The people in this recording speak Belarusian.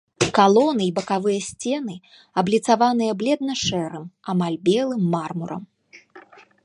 Калоны і бакавыя сцены абліцаваныя бледна-шэрым, амаль белым мармурам.